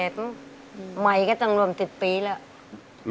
ไม้ก็จังหลวงสิบปีแล้ว